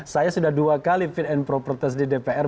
saya sudah dua kali fit and proper test di dpr